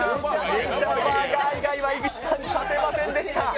「ネイチャーバーガーゲーム」以外では井口さん、勝てませんでした。